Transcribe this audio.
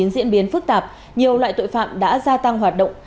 diễn biến phức tạp nhiều loại tội phạm đã gia tăng hoạt động